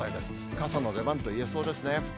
傘の出番といえそうですね。